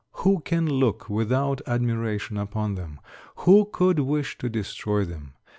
Who can look without admiration upon them? Who could wish to destroy them?